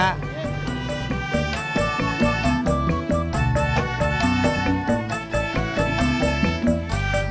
udah selesai boleh pulang